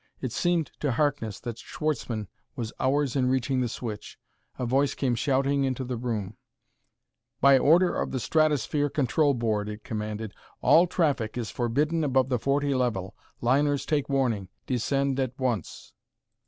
It seemed to Harkness that Schwartzmann was hours in reaching the switch.... A voice came shouting into the room: "By order of the Stratosphere Control Board," it commanded, "all traffic is forbidden above the forty level. Liners take warning. Descend at once."